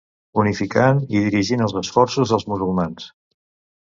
Unificant i dirigint els esforços dels musulmans.